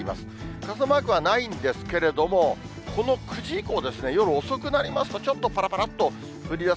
傘マークはないんですけれども、この９時以降ですね、夜遅くなりますと、ちょっとぱらぱらっと、降りだす